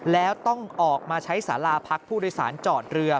แล้วต้องออกมาใช้สาราพักผู้โดยสารจอดเรือ